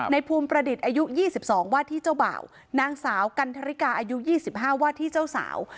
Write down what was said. ในภูมิประดิษฐ์อายุยี่สิบสองวาดที่เจ้าเบานางสาวกันธริกาอายุยี่สิบห้าวาดที่เจ้าสาว